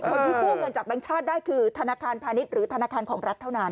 คนที่กู้เงินจากแบงค์ชาติได้คือธนาคารพาณิชย์หรือธนาคารของรัฐเท่านั้น